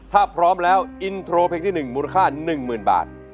ถ้าพร้อมแล้วอินโทรเพลงที่๑มูลค่า๑๐๐๐บาท